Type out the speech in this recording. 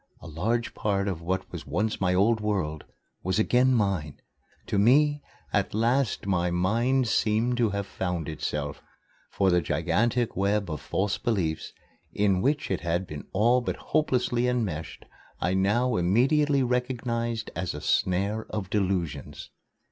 A large part of what was once my old world was again mine. To me, at last my mind seemed to have found itself, for the gigantic web of false beliefs in which it had been all but hopelessly enmeshed I now immediately recognized as a snare of delusions.